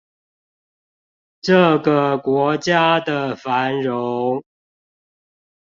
這個國家的繁榮